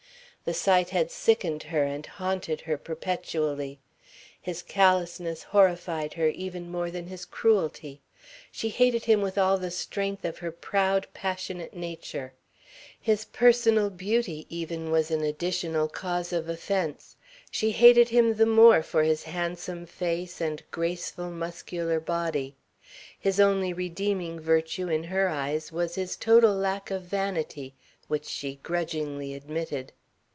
The sight had sickened her and haunted her perpetually. His callousness horrified her even more than his cruelty. She hated him with all the strength of her proud, passionate nature. His personal beauty even was an additional cause of offence. She hated him the more for his handsome face and graceful, muscular body. His only redeeming virtue in her eyes was his total lack of vanity, which she grudgingly admitted.